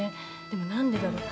でも何でだろう？